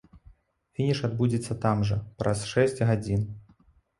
Фініш адбудзецца там жа, праз шэсць гадзін.